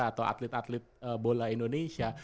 atau atlet atlet bola indonesia